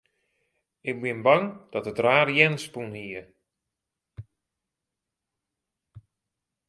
Ik bin bang dat it raar jern spûn hie.